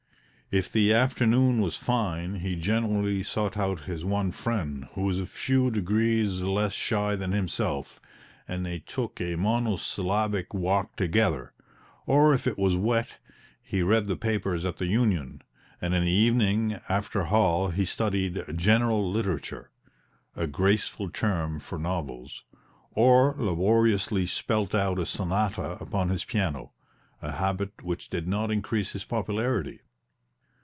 If the afternoon was fine he generally sought out his one friend, who was a few degrees less shy than himself, and they took a monosyllabic walk together; or if it was wet, he read the papers at the Union, and in the evening after hall he studied "general literature" (a graceful term for novels) or laboriously spelt out a sonata upon his piano a habit which did not increase his popularity.